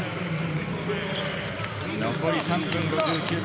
残り３分５９秒。